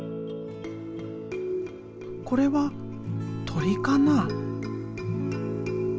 これは鳥かな？